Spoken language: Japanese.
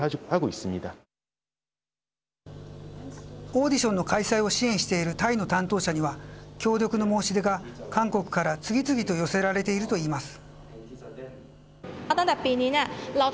オーディションの開催を支援しているタイの担当者には協力の申し出が、韓国から次々と寄せられているといいます。